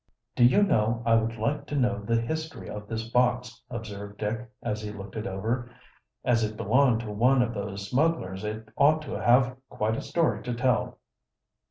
"Do you know, I would like to know the history of this box," observed Dick, as he looked it over. "As it belonged to one of those smugglers it ought to have quite a story to tell."